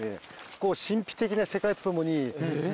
こう神秘的な世界とともにえっ！